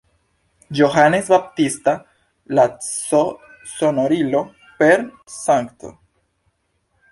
Johannes Baptista“, la c-sonorilo per „St.